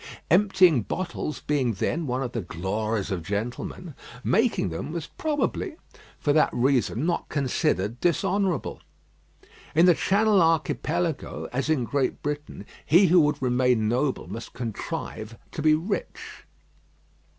Emptying bottles being then one of the glories of gentlemen, making them was probably, for that reason, not considered dishonourable. In the Channel archipelago, as in Great Britain, he who would remain noble must contrive to be rich.